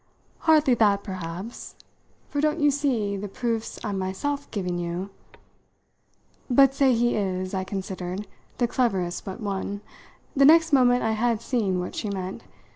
"Hardly that, perhaps for don't you see the proofs I'm myself giving you? But say he is" I considered "the cleverest but one." The next moment I had seen what she meant.